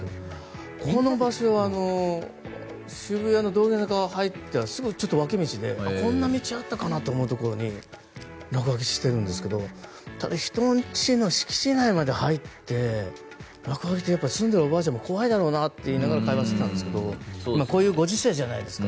この場所は渋谷の道玄坂を入ってすぐの脇道でこんな道あったかなと思うところに落書きしてあるんですけどただ、人の家の敷地内まで入って落書きって住んでるおばあちゃんも怖いだろうなと思いながら会話していたんですけどこういうご時世じゃないですか。